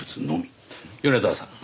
米沢さん。